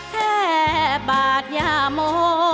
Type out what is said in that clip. แบบบาทยาโม